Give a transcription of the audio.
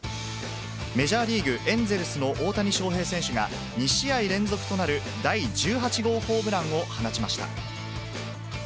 メジャーリーグ・エンゼルスの大谷翔平選手が２試合連続となる第１８号ホームランを放ちました。